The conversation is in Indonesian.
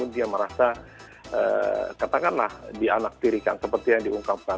dia merasa katakanlah dianak tirikan seperti yang diungkapkan